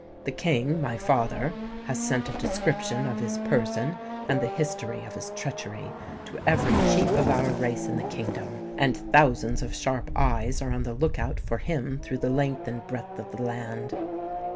The King my father has sent a description of his person and the history of his treachery to every chief of our race in the kingdom; and thousands of sharp eyes are on the look out for him through the length and breadth of the land."